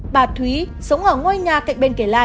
bà thúy sống ở ngôi nhà cạnh bên kể lại